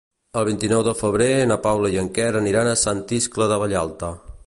El vint-i-nou de febrer na Paula i en Quer aniran a Sant Iscle de Vallalta.